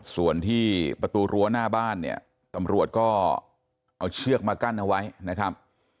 ส่วนที่ประตูรั้วหน้าบ้านเนี่ยตำรวจก็เอาเชือกมากั้นเอาไว้นะครับ